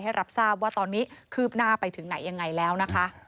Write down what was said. รับทราบว่าตอนนี้คืบหน้าไปถึงไหนยังไงแล้วนะคะ